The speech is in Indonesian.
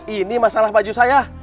ini masalah baju saya